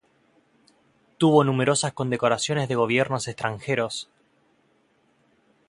Tuvo numerosas condecoraciones de gobiernos extranjeros.